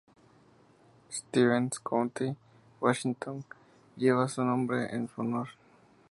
Stevens County, Washington, lleva su nombre en su honor.